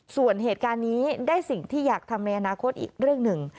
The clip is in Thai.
ส่วนเหตุการณ์นี้ได้สิ่งที่อยากทำในอนาคตอีกเรื่องหนึ่ง